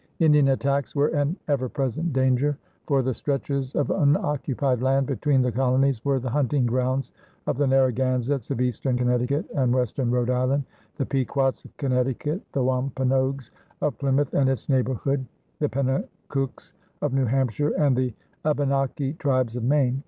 Indian attacks were an ever present danger, for the stretches of unoccupied land between the colonies were the hunting grounds of the Narragansetts of eastern Connecticut and western Rhode Island, the Pequots of Connecticut, the Wampanoags of Plymouth and its neighborhood, the Pennacooks of New Hampshire, and the Abenaki tribes of Maine.